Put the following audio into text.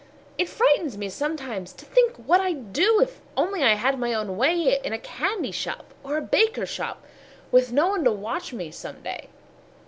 It frightens me sometimes, to think what I'd do, If only I had my own way In a candy shop or a baker shop, Witn no one to watch me, some day.